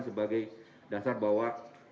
sebagai dasar bahwa